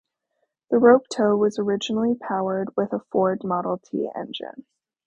The rope tow was originally powered with a Ford Model T engine.